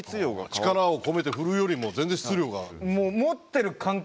力を込めて振るよりも全然質量がある。